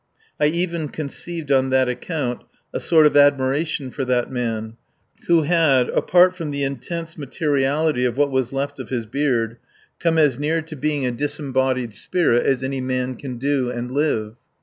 I even conceived on that account a sort of admiration for that man, who had (apart from the intense materiality of what was left of his beard) come as near to being a disembodied spirit as any man can do and live.